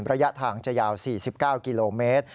ระยะทางจะยาว๔๙กิโลเมตร